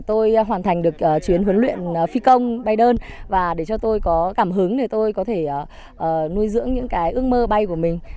tôi hoàn thành được chuyến huấn luyện phi công bay đơn và để cho tôi có cảm hứng để tôi có thể nuôi dưỡng những cái ước mơ bay của mình